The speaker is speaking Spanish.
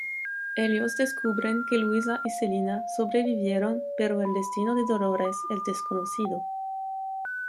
Ellos descubren que Luisa y Selina sobrevivieron, pero el destino de Dolores es desconocido.